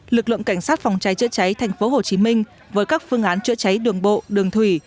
lực lượng cảnh sát phòng cháy chữa cháy tp hcm với các phương án chữa cháy đường bộ đường thủy